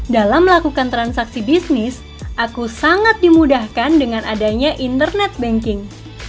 dalam melakukan transaksi bisnis aku sangat dimudahkan dengan adanya internet banking